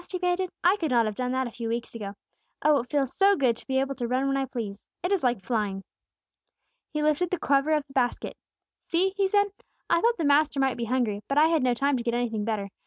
he panted. "I could not have done that a few weeks ago. Oh, it feels so good to be able to run when I please! It is like flying." He lifted the cover of the basket. "See!" he said. "I thought the Master might be hungry; but I had no time to get anything better.